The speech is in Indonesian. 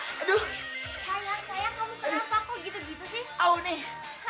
sayang sayang kamu kenapa kok gitu gitu sih